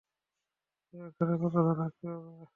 তো, এখানে কতক্ষণ থাকতে হবে?